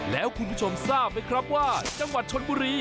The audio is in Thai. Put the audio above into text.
แล้วคุณผู้ชมทราบไหมครับว่าจังหวัดชนบุรี